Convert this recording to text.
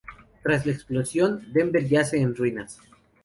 Tras la explosión, Denver yace en ruinas.